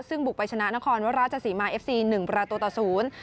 ซึ่งบุกไปชนะนครวัตรราชสีมายเอฟซี๑ประตูตะศูนย์